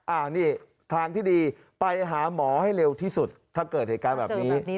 อันนี้ทางที่ดีไปหาหมอให้เร็วที่สุดถ้าเกิดเหตุการณ์แบบนี้